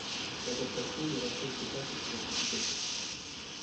L'adaptation ne respecte pas cette classification.